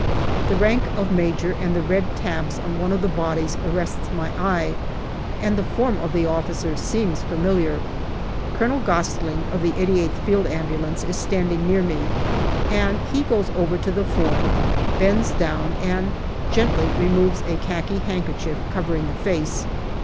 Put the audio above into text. The rank of major and the red tabs on one of the bodies arrests APRIL 47 my eye, and the form of the officer seems familiar. Colonel Gostling, of the 88th Field Ambulance, is standing near me, and he goes over to the form, bends down, and gently removes a khaki handkerchief covering the face.